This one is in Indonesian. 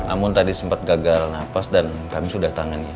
namun tadi sempat gagal nafas dan kami sudah tangani